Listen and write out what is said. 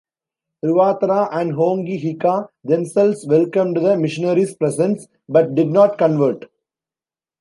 Ruatara and Hongi Hika themselves welcomed the missionaries' presence, but did not convert.